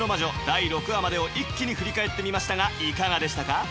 第６話までを一気に振り返ってみましたがいかがでしたか？